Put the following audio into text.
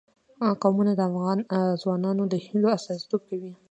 قومونه د افغان ځوانانو د هیلو استازیتوب کوي.